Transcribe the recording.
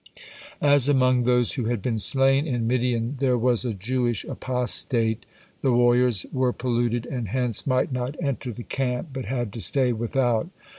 As among those who had been slain in Midian there was a Jewish apostate, the warriors were polluted, and hence might not enter the camp, but had to stay without.